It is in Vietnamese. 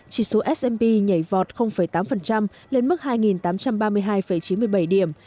chỉ số s p nhảy vọt tám lên mức hai tám trăm ba mươi hai chín mươi bảy điểm